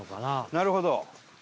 なるほど。